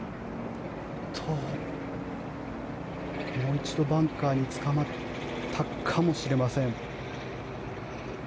もう一度、バンカーにつかまったかもしれません。